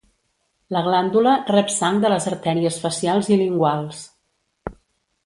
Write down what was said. La glàndula rep sang de les artèries facials i linguals.